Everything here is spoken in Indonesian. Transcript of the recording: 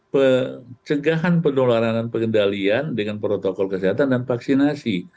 pencegahan penularan dan pengendalian dengan protokol kesehatan dan vaksinasi